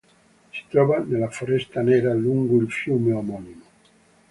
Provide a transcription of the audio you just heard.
Si trova nella Foresta Nera lungo il fiume omonimo.